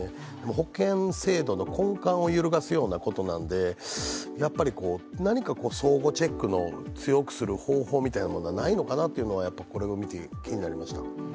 保険制度の根幹を揺るがすようなことなので、何か相互チェックを強くする方法みたいなのはないのかなとこれを見て気になりました。